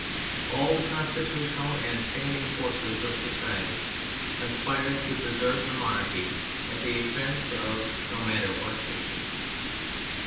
All the constitutional and standing forces of society conspired to preserve the monarchy at the expense of no matter what fictions.